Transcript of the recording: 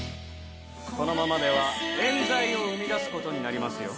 このままではえん罪を生み出すことになりますよ